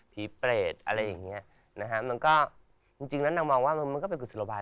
เปรตอะไรอย่างเงี้ยนะฮะมันก็จริงแล้วนางมองว่ามันก็เป็นกุศโลบาย